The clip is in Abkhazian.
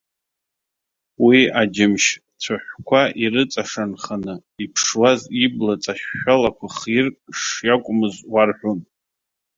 Уи иџьымшь цәыҳәқәа ирыҵашанханы иԥшуаз ибла ҵашәшәалақәа хирк шиакәмыз уарҳәон.